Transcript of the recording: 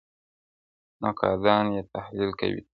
نقادان يې تحليل کوي تل-